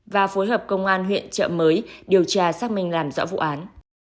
và phối hợp công an huyện trợ mới điều tra xác minh làm rõ vụ án